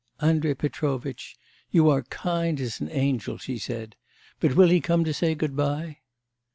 'Andrei Petrovitch, you are kind as an angel,' she said, 'but will he come to say goodbye?